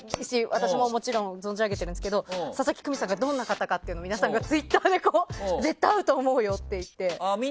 私も、もちろん存じ上げているんですけど佐々木久美さんがどんな方かっていうのを皆さんがツイッターでこう「絶対合うと思うよ」